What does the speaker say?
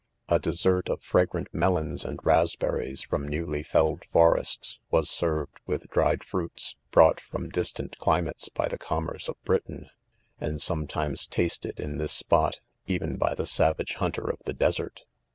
c A dessert of fragrant melons and raspber ries from newly felled forests, was served with dried fruits brought from distant climates by the commerce of Britain, and sometimes tast ed in this spot, even by the savage hunter of the desert.